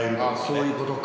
◆そういうことか。